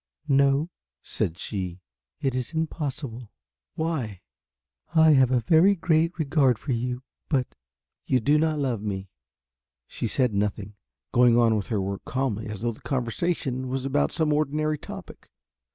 "No," said she, "it is impossible." "Why?" "I have a very great regard for you but " "You do not love me?" She said nothing, going on with her work calmly as though the conversation was about some ordinary topic.